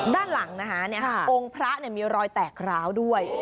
ด้านหลังนะคะองค์พระมีรอยแตกร้าวด้วย